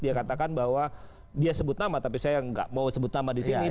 dia katakan bahwa dia sebut nama tapi saya nggak mau sebut nama di sini